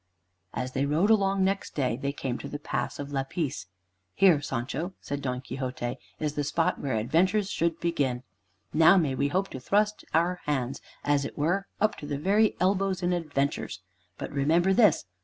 As they rode along next day, they came to the Pass of Lapice. "Here, Sancho," said Don Quixote, "is the spot where adventures should begin. Now may we hope to thrust our hands, as it were, up to the very elbows in adventures. But remember this!